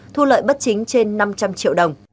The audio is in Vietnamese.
thu lợi bất chính trên năm trăm linh triệu đồng